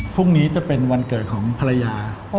พรุ่งนี้จะเป็นวันเกิดของภรรยา